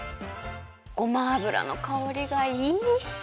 ごま油のかおりがいい！